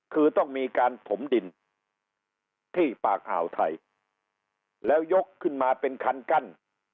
คือต้องมีการถมดินที่ปากอ่าวไทยแล้วยกขึ้นมาเป็นคันกั้น